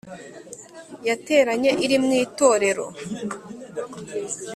yateranye iri mu itorero